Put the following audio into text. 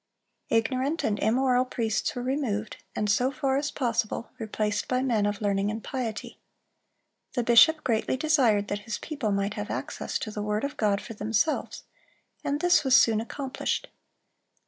Ignorant and immoral priests were removed, and, so far as possible, replaced by men of learning and piety. The bishop greatly desired that his people might have access to the word of God for themselves, and this was soon accomplished.